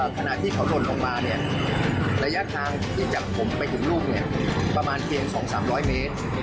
ขณะที่เขาหล่นลงมาเนี่ยระยะทางที่จากผมไปถึงลูกเนี่ยประมาณเพียง๒๓๐๐เมตร